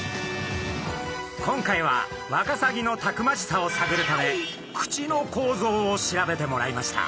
今回はワカサギのたくましさを探るため口の構造を調べてもらいました。